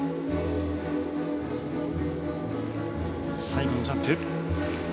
最後のジャンプ。